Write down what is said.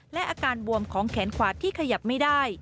และอาการบวมของแขนขวาที่ขยับไม่ได้